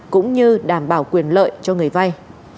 cũng như đảm bảo quyền lợi cho người vay